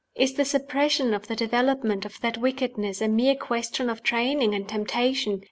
Is the suppression or the development of that wickedness a mere question of training and temptation?